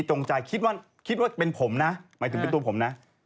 จงใจคิดว่าคิดว่าเป็นผมนะหมายถึงเป็นตัวผมนะ